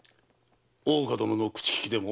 大岡殿の口利きでも？